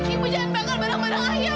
ibu jangan membakar barang barang ayah bu